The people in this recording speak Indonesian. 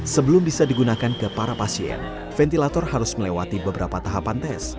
sebelum bisa digunakan ke para pasien ventilator harus melewati beberapa tahapan tes